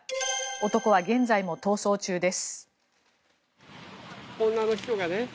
男は現在も逃走中です。